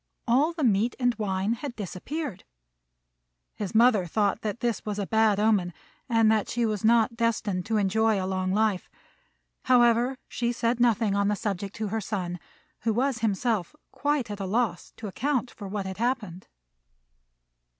all the meat and wine had disappeared. His mother thought this was a bad omen, and that she was not destined to enjoy a long life; however, she said nothing on the subject to her son, who was himself quite at a loss to account for what had happened.